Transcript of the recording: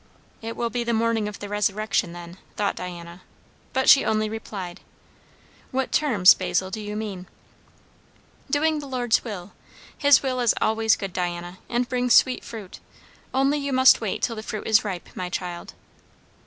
'" It will be the morning of the resurrection, then, thought Diana; but she only replied, "What 'terms,' Basil, do you mean?" "Doing the Lord's will. His will is always good, Diana, and brings sweet fruit; only you must wait till the fruit is ripe, my child."